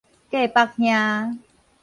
隔腹兄